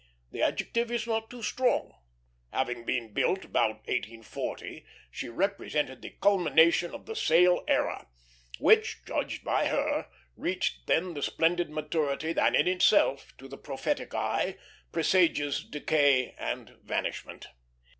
The adjective is not too strong. Having been built about 1840, she represented the culmination of the sail era, which, judged by her, reached then the splendid maturity that in itself, to the prophetic eye, presages decay and vanishment.